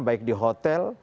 baik di hotel